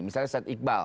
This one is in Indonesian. misalnya seth iqbal